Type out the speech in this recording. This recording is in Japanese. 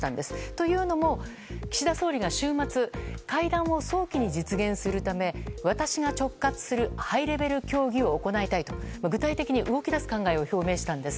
というのも、岸田総理が週末会談を早期に実現するため私が直轄するハイレベル協議を行いたいと具体的に動き出す考えを表明したんです。